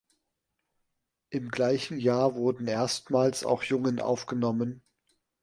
Im gleichen Jahr wurden erstmals auch Jungen aufgenommen.